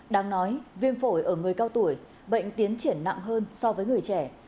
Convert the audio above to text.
đang nói viêm phổi ở người cao tuổi bệnh tiến triển nặng hơn so với người trẻ